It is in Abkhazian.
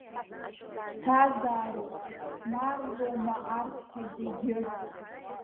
Ԥсҭазаароуп, хәмарроума арҭқәа зегьы.